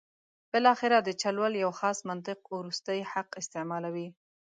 بالاخره د چل ول یو خاص منطق وروستی حق استعمالوي.